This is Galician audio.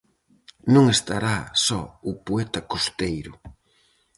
Non estará só o poeta costeiro.